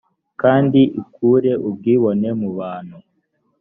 kandi ikure ubwibone mubantu